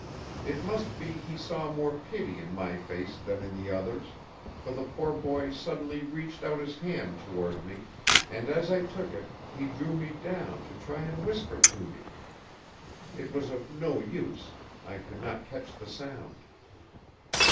It must be he saw more pity in my face than in the others, for the poor boy suddenly reached out his hand toward me, and as I took it he drew me down to try and whisper to me. It was of no use; I could not catch the sound.